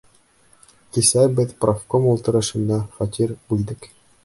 Кисә беҙ профком ултырышында фатир бүлдек.